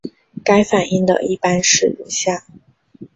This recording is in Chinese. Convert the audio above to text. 该反应的一般式如下。